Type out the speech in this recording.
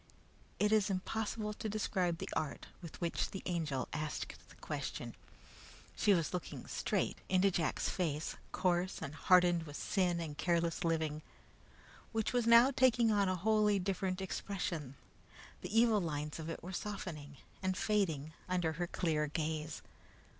It is impossible to describe the art with which the Angel asked the question. She was looking straight into Jack's face, coarse and hardened with sin and careless living, which was now taking on a wholly different expression. The evil lines of it were softening and fading under her clear gaze.